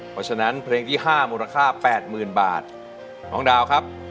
เพราะฉะนั้นเพลงที่๕มูลค่า๘๐๐๐บาทน้องดาวครับ